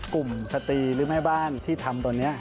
กลุ่มสตรีลืมให้บ้านที่ทำตัวนี้